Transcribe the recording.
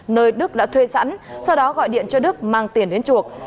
nơi đức đã thuê sẵn sau đó gọi điện cho đức mang tiền đến chuộc